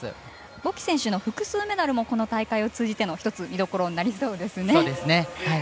ボキ選手の複数メダルもこの大会を通じての１つの見どころになりそうですね。